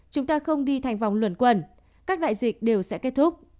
chúng ta không đi thành vòng luận quẩn các đại dịch đều sẽ kết thúc